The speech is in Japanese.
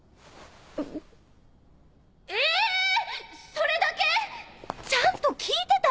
それだけ⁉ちゃんと聞いてた？